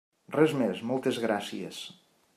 Res més, moltes gràcies.